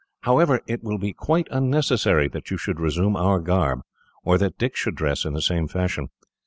"However, it will be quite unnecessary that you should resume our garb, or that Dick should dress in the same fashion.